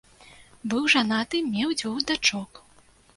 Быў жанаты, меў дзвюх дачок.